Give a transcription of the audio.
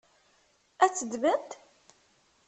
Ad tt-ddment?